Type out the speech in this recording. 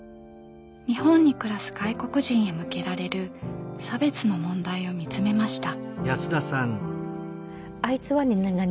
日本に暮らす外国人へ向けられる差別の問題を見つめました。